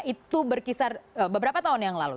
itu berkisar beberapa tahun yang lalu